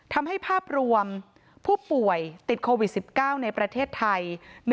ทำให้ภาพรวมผู้ป่วยติดโควิด๑๙ในประเทศไทย